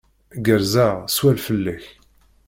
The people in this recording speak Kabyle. Gerrzeɣ. Swal fell-ak.